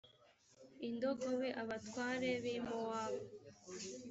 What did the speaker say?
indogobe abatware b ‘i mowabu .